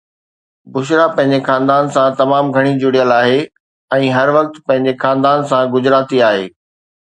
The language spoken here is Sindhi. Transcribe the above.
بشرا پنهنجي خاندان سان تمام گهڻي جڙيل آهي ۽ هر وقت پنهنجي خاندان سان گجراتي آهي